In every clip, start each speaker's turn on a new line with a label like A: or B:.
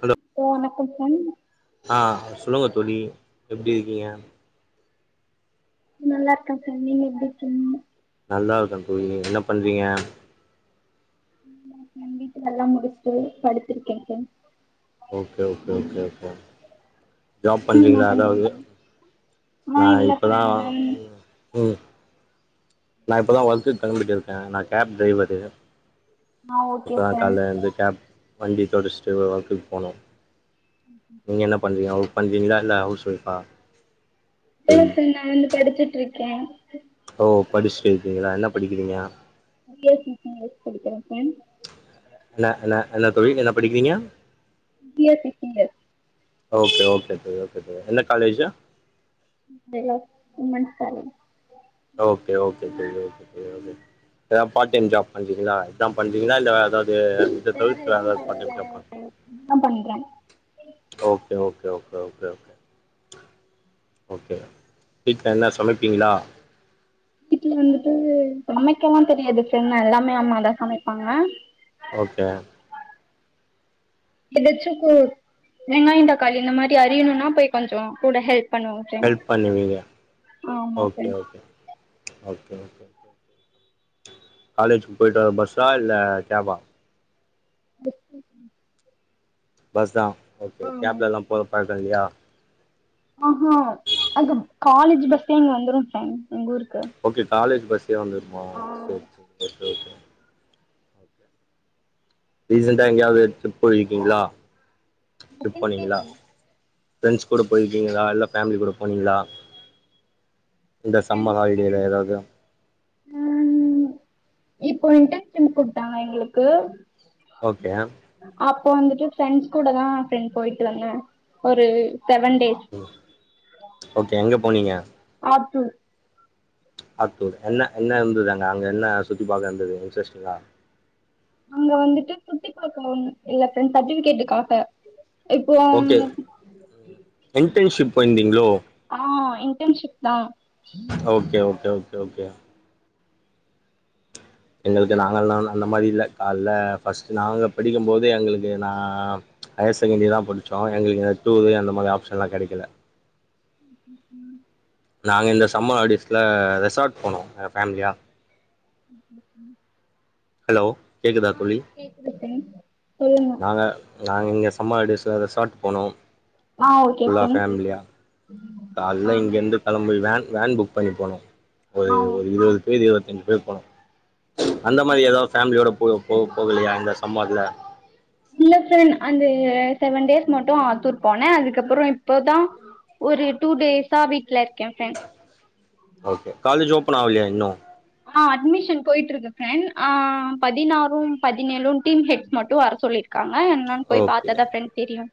A: hello
B: hello வணக்கம்
A: ஆ சொல்லுங்க தோழி எப்படி இருக்கீங்க
B: நல்லா இருக்கேன் சார் நீங்க எப்படி இருக்கீங்க
A: நல்லா இருக்கன் தோழி என்ன பண்றீங்க
B: ம் வீட்டு வேலல்லாம் முடிச்சுட்டு படுத்திருக்கேங்க sir
A: okay okay okay okay job
B: நீங்க என்ன
A: பண்ணறீங்களா ஏதாவது
B: பண்றீங்க ஆ
A: நா
B: இல்ல ஃப்ரெண்ட்
A: இப்பதான்
B: நான்
A: ம் நா இப்போ தான் வர்க்குக்கு கண்டுபிடிச்சு இருக்கேன் இருக்கேன் நான் கேப் டிரைவர்ரு
B: ஆ
A: இப்ப
B: ஓகே
A: தான்
B: சார்
A: காலைல எழுந்து கேப் வண்டி தொடச்சிட்டு ஒர்க்கு போனும் நீங்க என்ன பண்றீங்க வொர்க் பண்றீங்களா இல்ல ஹவுஸ் வைஃபா
B: இல்ல சார் நா வந்து படிச்சுட்டு இருக்கேன்
A: ஓ படிச்சிட்டு இருக்கீங்களா என்ன படிக்கிறீங்க
B: பிஎஸ்சி படிக்கிறேன் சார்
A: என்ன என்ன என்ன தோழி என்ன படிக்கிறீங்க
B: B S C [unintelligible]
A: okay okay தோழி ஓகே தோழி எந்த college
B: Stella women's college
A: okay okay தோழி ஓகே தோழி ஏதாவது பார்ட் டைம் ஜாப் பண்றீங்களா இதுதான் பண்றீங்களா இல்ல வேற ஏதாவது இத தவிர்த்து வேறு ஏதாவது பார்ட் டைம் ஜாப் பண்றீங்களா
B: இதுதான் பண்றேன்
A: okay okay okay okay okay okay என்ன சமைப்பீங்களா
B: வீட்டுல வந்துட்டு சமைக்கலாம் தெரியாது பிரண்ட் எல்லாமே அம்மாதான் சமைப்பாங்க
A: ஓகே
B: எதாச்சும் கூ வெங்காயம் தாக்காளி இந்த மாறி அறியணும்னா போய் கொஞ்சம் கூட ஹெல்ப் பண்ணுவாங்க ஃப்ரெண்ட்
A: ஹெல்ப் பண்ணுவீங்க
B: ஆமா
A: okay
B: friend
A: okay okay okay okay okay okay காலேஜுக்கு போயிட்டு வர பஸ்ஸா இல்ல கேஃப்பா
B: [unintelligible]
A: பஸ் தான் ஓகே
B: ஆமா
A: கேப்ல எல்லாம் போற பழக்கம் இல்லியா
B: ஆஹா அங்க காலேஜ் பஸ்ல இங்க வந்துரும் டைம்க்கு எங்க ஊருக்கு
A: ஓகே காலேஜ் பஸ்யே வந்துடுமா
B: ஆ
A: சரி சரி ஓகே ஓகே ரீசன்டா எங்கேயாவது ரிப் போயிருக்கீங்களா டரிப்
B: அதுக்குன்
A: போனீங்களா
B: கேக்கல
A: ஃப்ரண்ட்ஸ் கூட போயிருக்கீங்களா இல்ல ஃபேமிலி கூட போனீங்களா இந்த சம்ம
B: ஃப்ரெண்ட்
A: ஹாலிடே எதாவ்தா
B: ம் இப்போ இன்டன்ஷிப் குட்த்தாங்க எங்களுக்கு
A: ஓகே
B: அப்போ வந்துட்டு ஃபிரெண்ஸ் கூட தா ஃபிரெண் போய்ட்டுவாங்க ஒரு செவன் டேஸ்
A: ம் ஓகே எங்க போனீங்க
B: ஆத்தூரு
A: ஆத்தூர் என்ன என்ன இருந்தது அங்க அங்க என்ன சுத்தி பாக்க இருந்தது இன்ட்ரஸ்டிங்கா
B: அங்க வந்துட்டு சுத்தி பாக்கணுன் இல்ல ஃபிரெண் சர்டிஃபிகேட்டுக்காக
A: ஓகே இன்டன்ஷிப் போயிர்ந்தீங்ளோ
B: ஆ இன்டன்ஷிப்தா
A: ஓகே ஓகே ஓகே ஓகே எங்ளுக்கு நாங்களாலா அந்த மாரி இல்ல கால்ல ஃபஸ்ட்டு நாங்க படிக்கும்போது எங்களுக்கு நான் ஹையர் செகெண்ட்ரிதா படிச்சோ எங்ளுக்கு இந்த டூரு அந்த மாரி ஆப்ஷன்லா கெடைக்குல
B: ம் ம் ம்
A: நாங்க இந்த சம்ம ஹால்டேஸ்ல ரெசார்ட் போனோ எங்க ஃபேம்லியா
B: ம் ம் ம்
A: ஹலோ கேக்குதா தோழி
B: கேக்குது ஃப்ரெண்ட் சொல்லுங்க
A: நாங்க நாங்க எங்க சம்மஹாலிடேஸ்ல ரெசார்ட்டு போனோ
B: ஆ ஓகே
A: ஃபுல்லா
B: ஃபிரெண்
A: ஃபேமிலியா கால்ல இங்க இருந்து கெளம்பி வேன் வேன் புக் பண்ணி போனோ ஒரு
B: ஆ
A: ஒரு
B: ஓகே
A: இருவது வய்து இருவத்தஞ்சு பேர் போனோ அந்த மாரி எதோ ஃபேம்லியோட போ போ போகுலையா இந்த சம்மர்ல
B: இல்ல ஃபிரெண் அந்த செவன் டேஸ் மட்டு ஆத்தூர் போனே அதுக்கப்புறோ இப்பதா ஒரு டூ டேஸா வீட்ல இருக்கே ஃப்ரெண்
A: ஓகே காலேஜ் ஓப்பன் ஆவலயா இன்னு
B: ஆ அட்மிஷன் போய்ட்ருக்கு ஃப்ரெண் ஆ பதினாறு பதினேழு டீம் ஹெட்ஸ் மட்டு வர சொல்லிர் க்காங்க என்னன் போய்
A: ஓகே
B: பாத்தாதா ஃபிரெண் தெரியு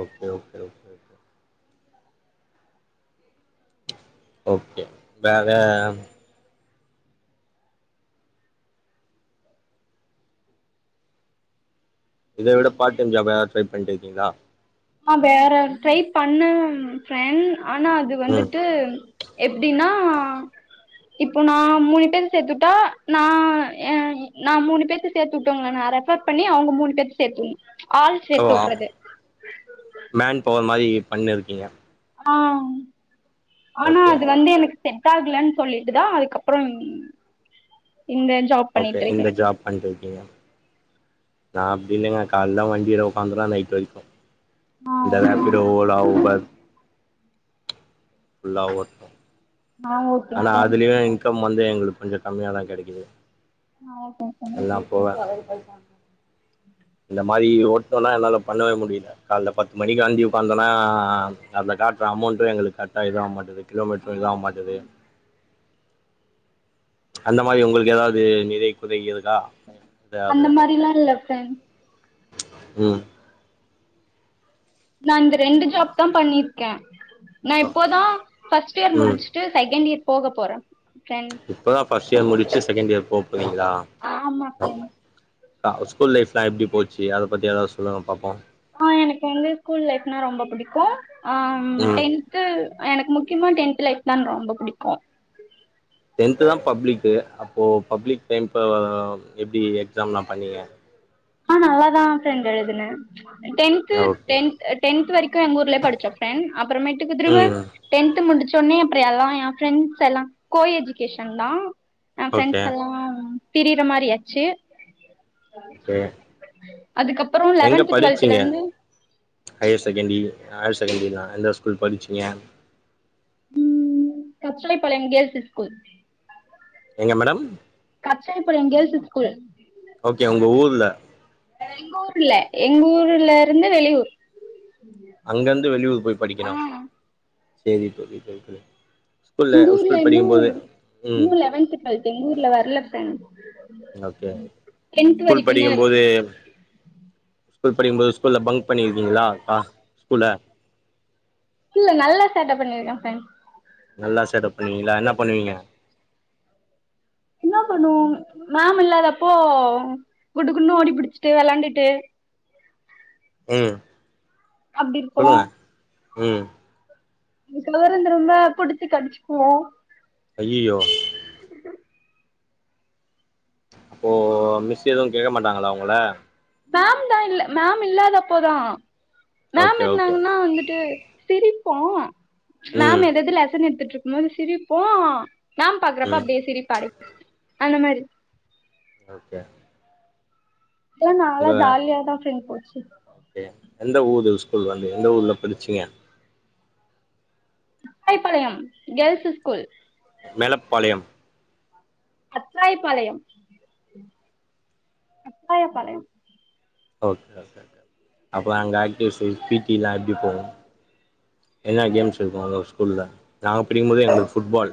A: okay okay okay okay okay வேற இத விட பாட் டைம் ஜாப் எதாது ட்ரை பண்ட்டிருக்கீங்ளா
B: ஆ வேற ட்ரை பண்ண ஃப்ரெண் ஆனா அது
A: ம்
B: வந்துட்டு எப்டினா இப்போ நா மூணு பேர சேத்துட்டா நா ஏன் நா மூணு பேத்த சேத்து உட்டோங்குளானா ரெஃபர் பண்ணி அவுங்க மூணு பேத்த சேத்துவுண் ஆள் சேத்து
A: ஓ
B: உட்றது
A: மேன் பவர் மாரி பண்ணிருக்கீங்க
B: ஆ ஆனா
A: ஓகே
B: அது வந்து எனக்கு செட்டாகுலன் சொல்லிட்டுதா அதுக்கப்புறோ இந்த ஜாப்
A: ஓகே
B: பண்ணிட்டு இருக்கே
A: இந்த ஜாப் பண்ணிட்டிருக்கீங்க நா அப்டி இல்லங்க கால்ல வண்டில உக்காந்துனா நைட்டு வரைக்கு
B: ஆ
A: இந்த
B: ஓகே
A: ராபிடோ ஓலா ஊப்பர் ஃபுல்லா ஓட்
B: நாங்க
A: ஆனா அதுலியு இன்கம் வந்து எங்களுக்கு கொஞ்சோ கம்மியாதா கெடைக்குது
B: நடக்கு
A: போவ இந்த மாரி ஓட்னோனா என்னால பண்ணவே முடில கால்ல பத்து மணிக்கு வண்டி உக்காந்தோனா அதுல காட்ற அமௌண்ட்டு எங்களுக்கு கர்ட்டா இது ஆக மாட்டுது
B: ஆ
A: கிலோமீட்ரு இதாவ
B: ஓகே
A: மாட்டுது
B: ஃப்ரெண்ட்
A: அந்த மாரி உங்களுக் ஏதாவ்து நிறை குறை இருக்கா எதாவது
B: அந்த மாரில்லா இல்ல ஃப்ரெண்ட்
A: ம்
B: நா இந்த ரெண்டு ஜாப் தா பண்ணிருக்கே நா இப்போதா ஃபர்ஸ்ட் இயர்
A: ம்
B: முடிச்சு டு செகண்ட் இயர் போக போறே ஃப்ரெண்ட்
A: இப்ப தா ஃபஸ்ட் இயர் முடிச்சு செகண்ட் இயர் போப் போரிங்ளா
B: ஆமா ஃப்ரெண்ட்
A: அ ஸ்கூல் லைஃப்லா எப்டி போச்சி அத பத்தி ஏதா சொல்லுங்க பாப்போ
B: ஆ எனக்கு வந்து ஸ்கூல் லைஃப்னா ரொம்ப புடிக்கு அ ம் டென் ன்த்து எனக்கு முக்கியமா டென்த் லைப் தா ரொம்ப புடிக்கு
A: டென்த்து தா பப்ளிக்கு அப்போ பப்ளிக் டைம்ப்போ எப்டி எக்ஸாம்லா பண்ணிய
B: ஆ நல்லாதா ஃப்ரெண்ட் எழுதுனே டென்த்து
A: ஓகே
B: டென் டென்த் வரைக்கு எங்க ஊர்லயே படிச்சோ ஃப்ரெண்ட் அப்புறமேட்டுக்கு திரும்ப
A: ம்
B: டென்த் முடிச்சொனே அப்ரோ எல்லா எ ஃப்ரெண்ட்ஸ் எல்லா கோ எஜுகேஷன் தா ஏ
A: ஓகே
B: ஃப்ரெண்ட்ஸ் எல்லா பிரியிற மாரி ஆச்சு
A: அ
B: அதுக்கப்றோ லெவன்த் டுவெல்த்ல வந்து
A: ஹையர் செகண்டி ஹையர் செகண்டரி லா எந்த ஸ்கூல் படிச்சிங்க
B: ம் கச்சுலை பழங்கியள்ஸிஸ் ஸ்கூல்
A: எங்க மேடம்
B: கச்சுலை பழங்கியள்ஸிஸ் ஸ்கூல்
A: ஓகே உங்க ஊர்ல
B: எங்க ஊர்ல எங்க ஊர்ல இருந்து வெளியூர்
A: அங்க இருந்து வெளியூர் போய்
B: ஆ
A: படிக்கணு செரி செரி செரி செரி ஸ்கூல்ல
B: எங்க
A: ஒரு ஸ்கூல் படிக்கும்போது ம்
B: அது எங்க ஊர்ல வரல ஃப்ரெண்ட்
A: ஓகே ஸ்கூல்
B: இருக்கு
A: படிக்கும்போது ஸ்கூல் படிக்கும்போது ஸ்கூல்ல பங்க் பண்ணிருக்கீங்ளா பா ஸ்கூல
B: இல்ல நல்லா சேட்ட பண்ணிருக்க ஃப்ரண்ட்
A: நல்லா சேட்ட பண்ணுவீங்ளா என்ன பண்ணுவீங்க
B: என்ன பண்ணுவோ மேம் இல்லாதப்போ குடுகுடுன்னு ஓடி பிடிச்சிட்டு விளாண்டுட்டு
A: ம்
B: அப்டி இருப்போ
A: சொல்லுங்க ம்
B: இதுக்குனு வேற திரும்ப புடிச்சி கடிச்சுக்குவோ
A: ஐய்யய்யோ ஓ மிஸ் எதுவு கேக்க மாட்டாங்களா உங்கள
B: மேம் தா இல்ல மேம் இல்லாத அப்போதா மேம்
A: ஓகே ஓகே
B: இருந்தாங்கன்னா வந்துட்டு சிரிப்போ மேம்
A: ம்
B: ஏதாது லெசன் எடுத்துட்டு இருக்கும்போது சிரிப்போ மேம் பாக்குறப்ப
A: ம்
B: அப்டியே சிரிப்ப அடக் அந்த மாரி
A: ஓகே
B: தோ நாலா ஜாலியாதா ஃப்ரெண்ட் போச்சு
A: கே எந்த ஊரு ஸ்கூல் வந்து ஊர்ல படிச்சிங்க
B: Athaipalayam girls school
A: Melapalayam
B: Athaipalayam Athaipalayam
A: okay okay அப்பறோ அங்க ஆக்டிவ்ஸ் பி டில்லா எப்டி போவு எதுன கேம்ஸ் இருக்கு ஸ்கூல்ல நாங்க படிக்குபோதுே எங்களுக்கு ஃபுட்பால்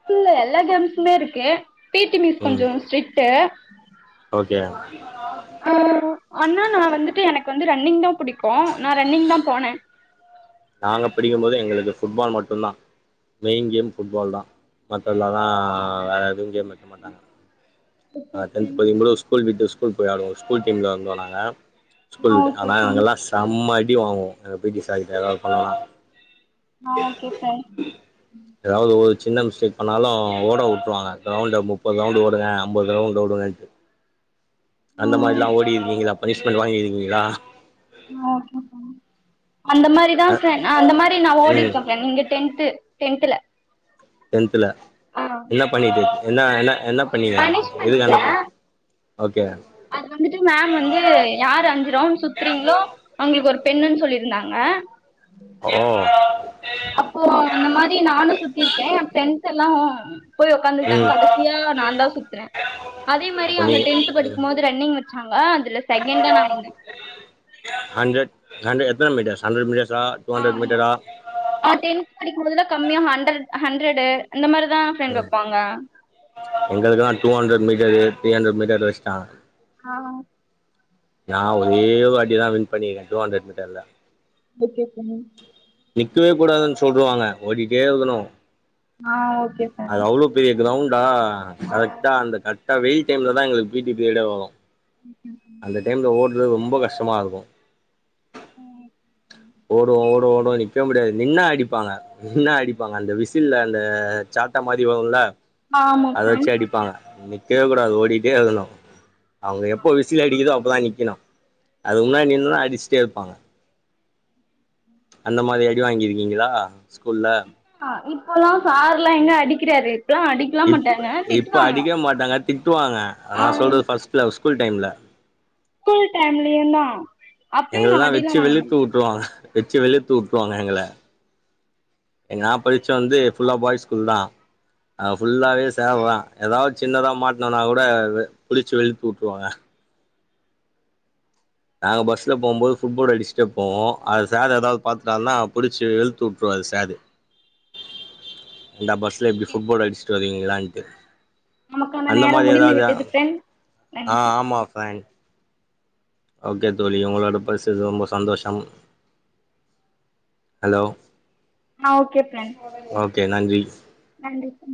B: ஸ்கூல்ல எல்லா கேம்ஸுமே இருக்கு பி டி மிஸ்
A: ம்
B: கொஞ்சோ ஸ்ட்ரிக்ட்
A: ஓகே
B: ஆனா நா வந்துட்டு எனக்கு வந்து ரன்னிங் தா புடிக்கு நா ரன்னிங் தா போனே
A: நாங்க படிக்கும்போது எங்களுக்கு புட்பால் மட்டுதா மெயின் கேம் ஃபுட்பால் தா மத்ததெல்லலா வேற எதுவு கேம் வைக்க மாட்டாங்க
B: ஓகே
A: அ டென்த்
B: ஃப்ரெண்ட்ஸ்
A: படிக்குபோது ஒரு ஸ்கூல் விட்டு ஸ்கூல் போயி ஆடுவோ ஸ்கூல் டீம்ல வந்தோ நாங்க ஸ்கூல்
B: ஆ
A: விட்டு
B: ஓகே
A: ஆனா
B: ஃப்ரெண்ட்ஸ்
A: நாங்கெல்லா செம்மடி வாங்குவோ எங்க பி டி சார்கிட்டல்லா
B: ஆ ஓகோ [unintelligible]
A: ஏதாவது ஒரு சின்ன மிஸ்டேக் பண்ணாலு ஓட உட்ருவாங்க ரவுண்ட முப்பது ரவுண்டு ஓடுங்க ஒம்பது ரவுண்ட் ஒடுங்கன்ட் அந்த
B: ம்
A: மாரிலா ஓடிருக்கீங்களா பனிஷ்மெண்ட் வாங்கிருக்கீங்களா
B: ஆ ஓகே ஃப்ரண்ட் அந்த மாதிரி தா
A: அ
B: ஃப்ர நா அந்த மாரி நா ஓடி
A: ம்
B: இருக்கே ஃப்ரண்ட் இங்க டென்த் டென்துல
A: டென்துல என்ன பண்ணிட்டு என்ன என்ன என்ன பண்ணிருக்காங்க
B: பனிஷ்மெண்ட்
A: எதுக்கு
B: இல்ல
A: அந்த ஓகே
B: அது வந்து மேம் வந்து யாரு அஞ்சு ரவுண்ட் சுத்துறீங்ளோ அவங்களுக்கு ஒரு பெண்ணுன்னு சொல்லிருந்தாங்க
A: ஓ
B: அப்போ அந்த மாரி நானு சுத்திருக்கே ஃப்ரண்ட்ஸெல்லா போயி உக்காந்துட்டாங்க
A: ம்
B: கடைசியா நா தா சுத்துன அதே மாரி
A: அப்ப
B: அங்க
A: நீங்க
B: டென்த் படிக்கும்போது து ரன்னிங் வச்சாங்க அதுல செகண்ட் தா நா வந்தே
A: ஹண்டர் ஹண்டர் எத்தன மீட்டர்ஸ் ஹண்ரட் மீட்டர்ஸா டூ ஹண்ட்ரட் மீட்டரா
B: அ டென்த் படிக்கும் போதுல்லா கம்மியா ஹண்டர் ஹண்டர்டு இந்த மாரிதா ஃப்ரெண்ட்
A: ம்
B: வைப்பாங்க
A: எங்களுக்கெல்லா two hundred metre three hundred metre வச்சிட்டாங்க
B: ஆ
A: நா ஒரே வாட்டிதா வின் பண்ணியிருக்க டூ ஹண்டரட் மீட்டர்ல
B: ஓகே ஃப்ரண்ட்
A: நிக்கவே கூடாதுன்னு சொல்ட்றுவாங்க ஓடிக்கிட்டே இருக்கணு
B: ஆ ஓகே ஃபேன்
A: அது அவ்ளோ பெரிய கிரௌண்டா கரெக்டா அந்த கர்ட்டா அந்த வெயில் டைம்ல தா எங்களுக்கு பி டி பிரியேட்டே வரு
B: ம் ஹும் ம்
A: அந்த டைம்ல ஓட்றது ரொம்ப கஷ்டமாகருக்கு
B: ம் ம்
A: ஓடுவோ ஓடுவோ ஓடுவோ நிக்க முடியாது நின்ன அடிப்பாங்க நின்னா அடிப்பாங்க அந்த விசில்ல அந்த சாட்ட மாரி வருல்ல
B: ஆமா
A: அத
B: ஃபேன்
A: வச்சு அடிப்பாங்க நிக்கவே கூடாது ஓடிட்டே இருக்கணு அவுங்க எப்போது விசில் அடிக்குதோ அப்போ தா நிக்கணு அதுக்கு முன்னாடி நின்னோனா அடிச்சுட்டேருப்பாங்க அந்த மாரி அடி வாங்கியிருக்கீங்களா ஸ்கூல்ல
B: இப்போல்லா சார்ல்லா எங்க அடிக்கிறாரு இப்புல்லா அடிக்
A: இப் இப்போ அடிக்க மாட்டாங்க திட்டுவாங்க நா
B: ஆ
A: சொல்றது ஃபஸ்ட்டுல ஸ்கூல் டைமில்ல
B: ஸ்கூல் டைம்மில்லயுதா
A: எங்கலெல்லா வெச்சு வெளுத்து உட்டுவாங்க வெச்சு வெளுத்து உட்டுருவாங்க எங்கள எ நா படிச்சது வந்து ஃபுல்ல பாய் ஸ்கூல் தா அ ஃபுல்லாவே சார்தா ஏதாவது சின்னதாக மாட்னனாக் கூட புடிச்சு வெளுத்து உட்டுருவாங்க நாங்க பஸ் போம்போது ஃபுட்போட் அடிச்ட்டே போவோ அது சார் ஏதா பாத்துட்டார்னா புடிச்ச வெளுத்து உட்ருவாரு சாரு இந்தா பஸ்ல இப்டி
B: மாட்ட
A: ஃபுட்போட் அடிச்சுட்டு வருவீங்களான்ட்டு
B: நமக்கான
A: அந்த மாரி
B: நேரம் முடிந்து
A: எதாது
B: விட்டது ஃப்ரெண்ட்
A: ஆ
B: நன்றி
A: ஆமா ஃப்ரெண்ட் ஓகே தோழி உங்களோட பேசுரது ரொம்ப சந்தோஷம் ஹலோ
B: ஆ ஓகே ஃப்ரண்ட்
A: ஓகே நன்றி
B: நன்றி பா